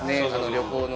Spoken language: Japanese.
旅行の。